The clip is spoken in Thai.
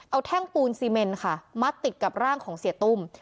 เอาแท่งปูนซีเมนค่ะมัดติดกับร่างของเสียตุ้ม